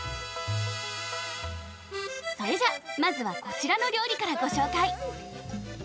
それじゃまずはこちらの料理からご紹介。